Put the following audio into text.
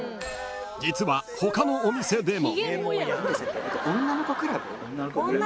［実は他のお店でも］